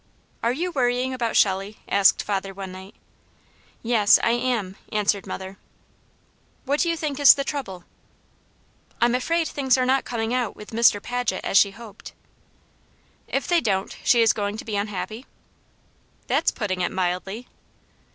"Are you worrying about Shelley?" asked father one night. "Yes, I am," answered mother. "What do you think is the trouble?" "I'm afraid things are not coming out with Mr. Paget as she hoped." "If they don't, she is going to be unhappy?" "That's putting it mildly."